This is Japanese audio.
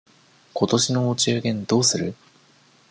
今年のお中元どうする？